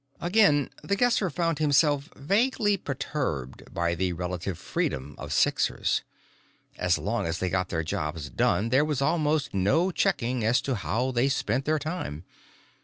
Again, The Guesser found himself vaguely perturbed by the relative freedom of Sixers. As long as they got their jobs done there was almost no checking as to how they spent their time.